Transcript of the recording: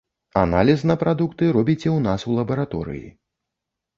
Аналіз на прадукты робіце ў нас у лабараторыі.